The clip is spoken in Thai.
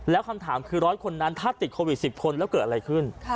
แล้วคำถามคือ๑๐๐คนนั้นถ้าติดโควิด๑๐คนแล้วเกิดอะไรขึ้น